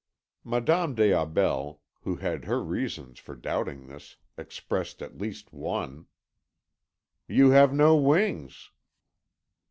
Madame des Aubels, who had her reasons for doubting this, expressed at least one: "You have no wings."